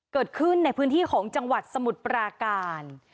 เกิดขึ้นในพื้นที่ของจังหวัดสมุทรปราการ